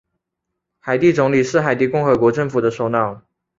海地总理是海地共和国政府的首脑。